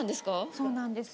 そうなんですよ。